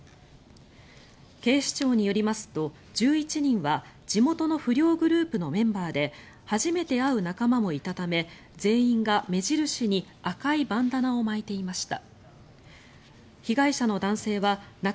警視庁によりますと、１１人は地元の不良グループのメンバーで初めて会う仲間もいたため全員が目印に赤いバンダナを巻いていました。